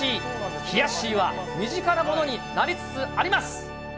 ひやっしーは、身近なものになりつつあります。